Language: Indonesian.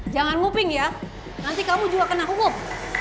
jangan nguping ya nanti kamu juga kena humop